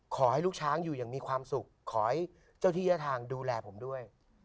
ขอให้ลูกช้างอยู่อย่างมีความสุขขอให้เจ้าที่ยะทางดูแลผมด้วย